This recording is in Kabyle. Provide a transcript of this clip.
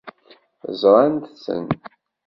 Ẓṛant-tten.